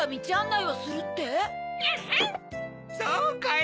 そうかい！